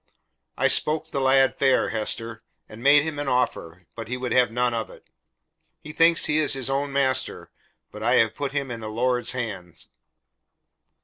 "I spoke the lad fair, Hester, and made him an offer, but he would none of it. He thinks he is his own master, but I have put him in the Lord's hands."